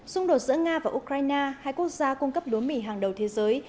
xung đột giữa nga và ukraine hai quốc gia cung cấp lúa mì hàng đầu thế giới